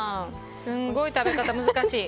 すんごい食べ方難しい。